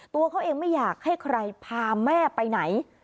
ตัวเขาเองไม่อยากให้ใครพาแม่ไปไหน